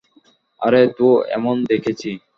আরো তো এমন দেখেছি।